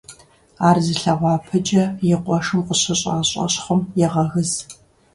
Ар зылъэгъуа Пыджэ и къуэшым къыщыщӀа щӀэщхъум егъэгыз.